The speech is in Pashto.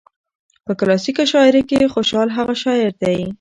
په کلاسيکه شاعرۍ کې خوشال هغه شاعر دى